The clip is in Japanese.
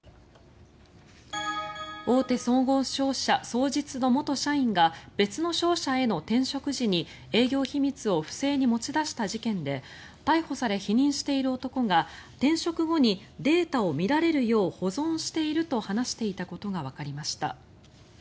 大手総合商社、双日の元社員が別の商社への転職時に営業秘密を不正に持ち出した事件で逮捕され否認している男が転職後にデータを見られるよう保存していると話していたことがわかりました。